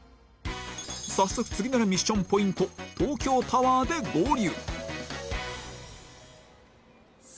早速次なるミッションポイント東京タワーで合流